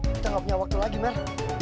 kita gak punya waktu lagi mel